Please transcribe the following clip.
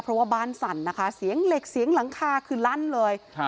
เพราะว่าบ้านสั่นนะคะเสียงเหล็กเสียงหลังคาคือลั่นเลยครับ